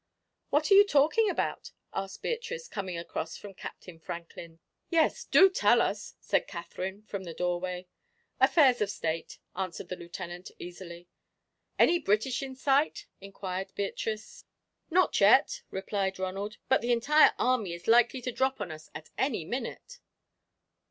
"What are you talking about?" asked Beatrice, coming across from Captain Franklin's. "Yes, do tell us," said Katherine, from the doorway. "Affairs of state," answered the Lieutenant, easily. "Any British in sight?" inquired Beatrice. "Not yet," replied Ronald; "but the entire army is likely to drop on us at any minute."